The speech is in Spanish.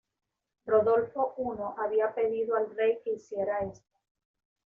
Rodolfo I había pedido al rey que hiciera esto.